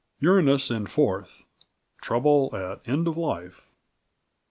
"Uranus in 4th, trouble at end of life.